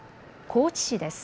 高知市です。